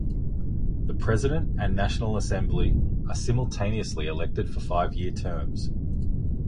The President and National Assembly are simultaneously elected for five-year terms.